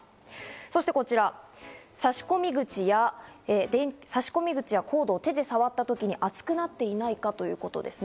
そしてこちら、差込口やコードを手で触った時に熱くなっていないかということですね。